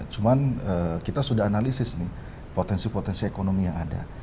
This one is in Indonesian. cuman kita sudah analisis nih potensi potensi ekonomi yang ada